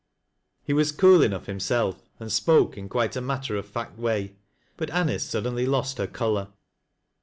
He was cool enough himself, and spoke in quite a matter of fact way, but Anice suddenly lost her color.